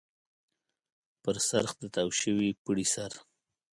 پر څرخ د تاو شوي پړي سر.